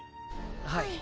はい。